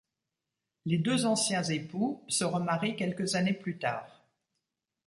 Les deux anciens époux se remarient quelques années plus tard.